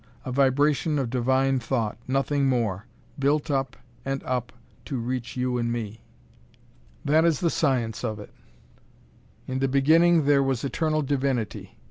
A vibration of Divine Thought nothing more built up and up to reach you and me! That is the science of it. In the Beginning there was Eternal Divinity.